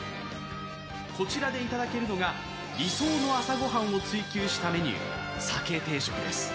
こちらでいただけるのが、理想の朝御飯を追求したメニュー、鮭定食です。